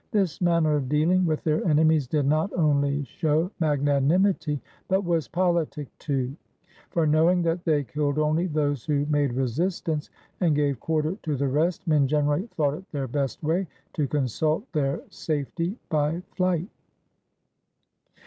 This manner of dealing with their enemies did not only show magna nimity, but was politic too; for, knowing that they killed only those who made resistance, and gave quarter to the rest, men generally thought it their best way to consult their safety by flight.